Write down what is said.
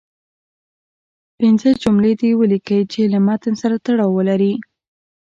پنځه جملې دې ولیکئ چې له متن سره تړاو ولري.